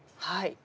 はい。